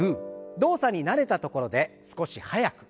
動作に慣れたところで少し速く。